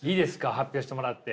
発表してもらって。